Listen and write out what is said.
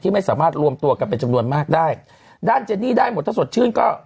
ไม่สามารถรวมตัวกันเป็นจำนวนมากได้ด้านเจนนี่ได้หมดถ้าสดชื่นก็